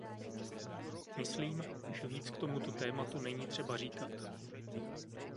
Myslím, že víc k tomuto tématu není třeba říkat.